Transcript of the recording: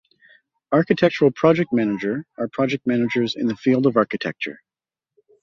Architectural project manager are project managers in the field of architecture.